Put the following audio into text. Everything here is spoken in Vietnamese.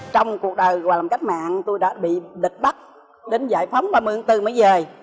trong cuộc đời và làm cách mạng tôi đã bị địch bắt đến giải phóng ba mươi bốn mới rời